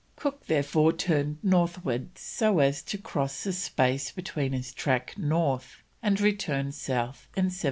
Cook therefore turned northwards so as to cross the space between his track north and return south in 1769.